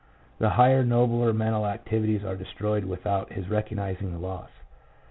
The higher, nobler mental activities are destroyed without his recognizing the loss.